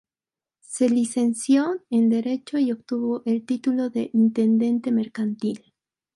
Se licenció en Derecho y obtuvo el título de intendente mercantil.